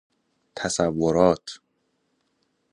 تصورات